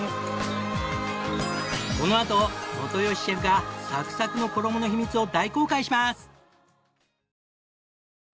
このあと元吉シェフがサクサクの衣の秘密を大公開します！